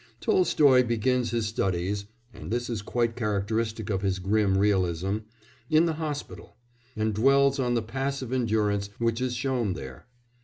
Tolstoy begins his studies (and this is quite characteristic of his grim realism) in the hospital, and dwells on the passive endurance which is shown there.